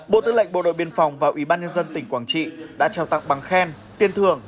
bộ tư lệnh bộ đội biên phòng và ủy ban nhân dân tỉnh quảng trị đã trao tặng bằng khen tiền thưởng